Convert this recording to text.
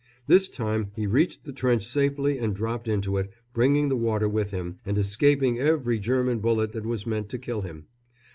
This time he reached the trench safely and dropped into it, bringing the water with him and escaping every German bullet that was meant to kill him.